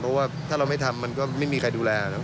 เพราะว่าถ้าเราไม่ทำมันก็ไม่มีใครดูแลนะครับ